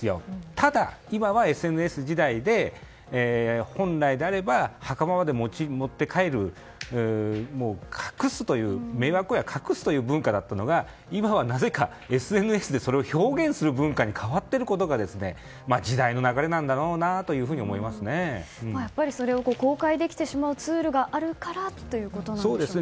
ただ、今はＳＮＳ時代で本来であれば墓場まで持って帰る迷惑行為は隠すという文化だったのが今はなぜかＳＮＳでそれを表現する文化に変わっていることが時代の流れなんだろうなとそれを公開できてしまうツールがあるからということなんでしょうか。